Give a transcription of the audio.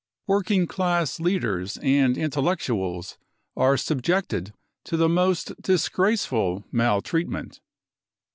Working class leaders and intellectuals are subjected to the most disgraceful maltreatment.